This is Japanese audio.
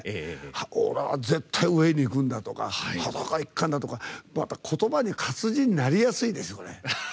「俺は絶対に上に行くんだ」とか「裸一貫」だとか言葉に活字になりやすいですね。